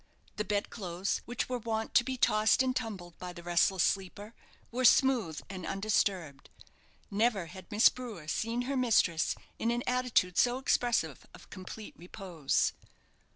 The bed clothes, which were wont to be tossed and tumbled by the restless sleeper, were smooth and undisturbed. Never had Miss Brewer seen her mistress in an attitude so expressive of complete repose.